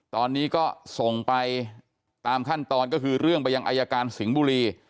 ตอนนี้ก็ส่งไปตามขั้นตอนก็คือเรื่องไปยังอายการสิงห์บุรี